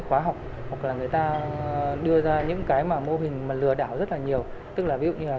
khóa học hoặc là người ta đưa ra những cái mà mô hình mà lừa đảo rất là nhiều tức là ví dụ như là